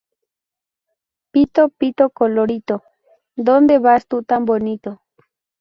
Pito, pito, colorito, ¿dónde vas tú tan bonito?